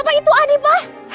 papa itu adi pak